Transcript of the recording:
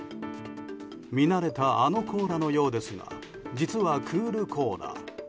見慣れたあのコーラのようですが実はクールコーラ。